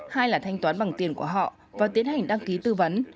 hai là thanh toán bằng tiền của họ và tiến hành đăng ký tư vấn